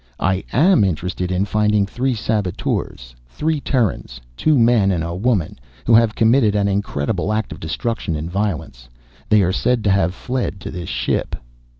I am interested in finding three saboteurs, three Terrans, two men and a woman, who have committed an incredible act of destruction and violence. They are said to have fled to this ship."